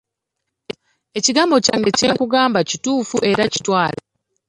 Ekigambo kyange kye nkugamba kituufu era kitwale.